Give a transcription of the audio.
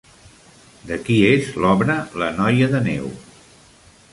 De qui és l'obra La noia de neu?